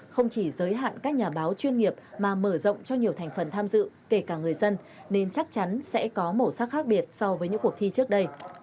không chỉ giới hạn các nhà báo chuyên nghiệp mà mở rộng cho nhiều thành phần tham dự kể cả người dân nên chắc chắn sẽ có màu sắc khác biệt so với những cuộc thi trước đây